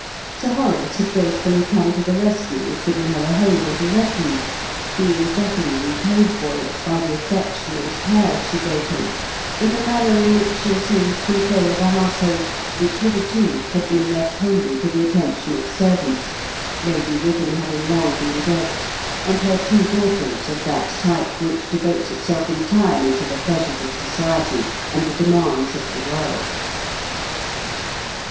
Sir Horace had gracefully come to the rescue and given her a home and a refuge, being doubly repaid for it by the affection and care she gave him and the manner in which she assumed control of a household which hitherto had been left wholly to the attention of servants, Lady Wyvern having long been dead, and her two daughters of that type which devotes itself entirely to the pleasures of society and the demands of the world.